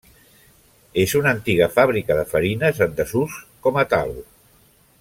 És una antiga fàbrica de farines en desús com a tal.